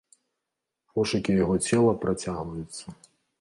Пошукі яго цела працягваюцца.